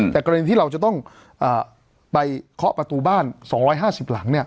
แต่กรณีที่เราจะต้องไปเคาะประตูบ้าน๒๕๐หลัง